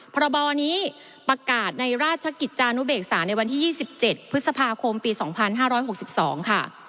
พรบนี้ประกาศในราชกิจจานุเบกษาในวันที่๒๗พฤษภาคมปี๒๕๖๒ค่ะ